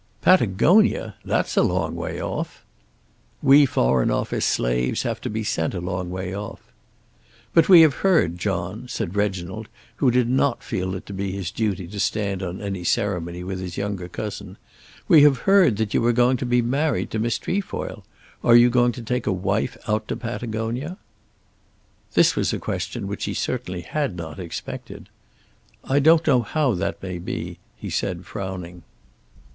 "Patagonia! That's a long way off." "We Foreign Office slaves have to be sent a long way off." "But we heard, John," said Reginald, who did not feel it to be his duty to stand on any ceremony with his younger cousin, "we heard that you were going to be married to Miss Trefoil. Are you going to take a wife out to Patagonia?" This was a question which he certainly had not expected. "I don't know how that may be," he said frowning.